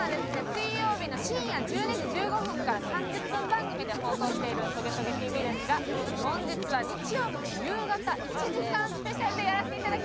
水曜日の深夜１２時１５分から３０分番組で放送している『トゲトゲＴＶ』ですが本日は日曜日の夕方１時間スペシャルでやらせて頂きます！